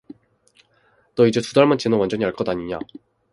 너 이제 두 달만 지나면 완전히 알 것 아니냐.